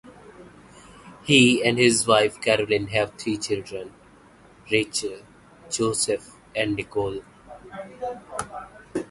He and his wife Carolyn have three children; Rachel, Joseph, and Nicole.